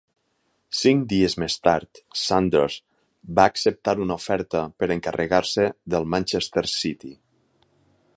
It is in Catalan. Cinc dies més tard, Saunders va acceptar una oferta per encarregar-se del Manchester City.